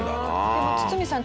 でも堤さん